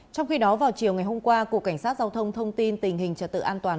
trong khi đó vào chiều ngày hôm qua cục cảnh sát giao thông thông tin tình hình trật tự an toàn